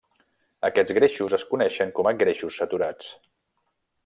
Aquests greixos es coneixen com a greixos saturats.